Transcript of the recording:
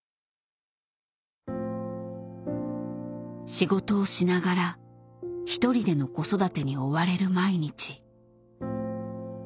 仕事をしながら一人での子育てに追われる毎日。